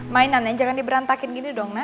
mainan yang jangan diberantakin gini dong